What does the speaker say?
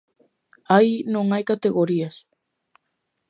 Aí non hai categorías.